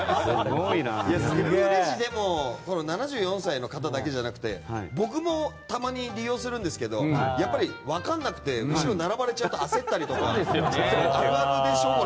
セルフレジって７４歳の方だけじゃなくて僕も、たまに利用するんですけどやっぱり分からなくて後ろ並ばれちゃうと焦ったりとかあるあるでしょ。